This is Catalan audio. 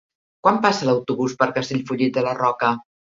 Quan passa l'autobús per Castellfollit de la Roca?